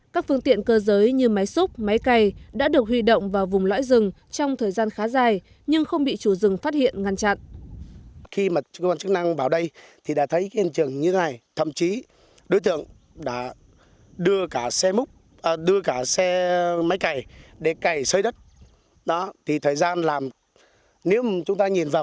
các phương tiện cơ giới như máy xúc máy cày đã được huy động vào vùng lõi rừng trong thời gian khá dài nhưng không bị chủ rừng phát hiện ngăn chặn